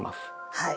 はい。